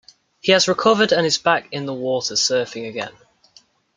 He has recovered and is back in the water surfing again.